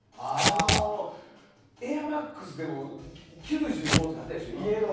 エアマックスでも９５とかあったでしょ。